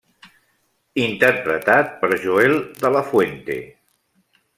Interpretat per Joel de la Fuente.